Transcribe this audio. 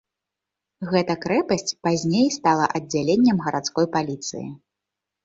Гэта крэпасць пазней стала аддзяленнем гарадской паліцыі.